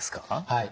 はい。